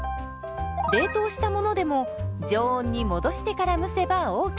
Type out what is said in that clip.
冷凍したものでも常温に戻してから蒸せばＯＫ。